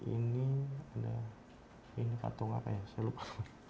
ini ada ini patung apa ya saya lupa